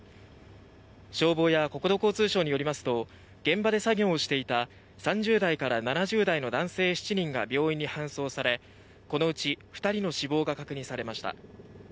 消防や国土交通省によりますと現場で作業をしていた３０代から７０代の男性７人が病院に搬送されこのうち２人の死亡が確認されました。